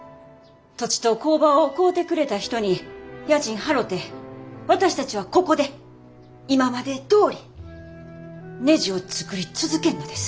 土地と工場を買うてくれた人に家賃払て私たちはここで今までどおりねじを作り続けんのです。